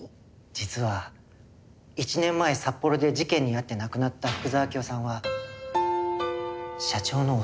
実は１年前札幌で事件に遭って亡くなった福沢明夫さんは社長の弟さんなんです。